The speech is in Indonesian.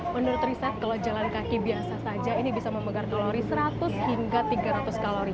menurut riset kalau jalan kaki biasa saja ini bisa memegar kalori seratus hingga tiga ratus kalori